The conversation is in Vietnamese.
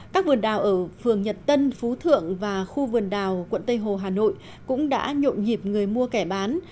các vườn đào ở phường nhật tân phú thượng và khu vườn đào quận tây hồ hà nội cũng đã nhộn nhịp người mua kẻ bán